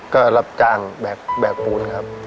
ก็รับการแบกปูนะครับ